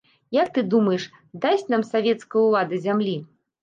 Як ты думаеш, дасць нам савецкая ўлада зямлі?